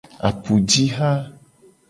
Apujiha.